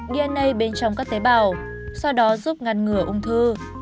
cái này bên trong các tế bào sau đó giúp ngăn ngừa ung thư